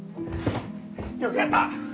よくやった！